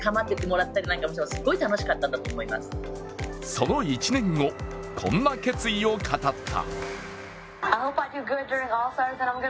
その１年後、こんな決意を語った。